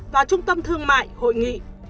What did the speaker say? và trung tâm thương mại hội nghị